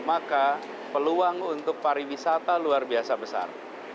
maka peluang untuk pariwisata luar biasa besar